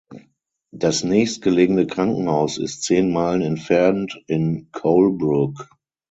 Das nächstgelegene Krankenhaus ist zehn Meilen entfernt in Colebrook.